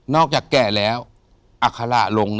นอกจากแกะแล้วอัคละลง